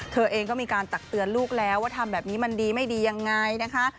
เธอเองก็มีการตักเตือนลูกแล้วว่าทำแบบนี้มันดีไม่ดียังไงนะคะ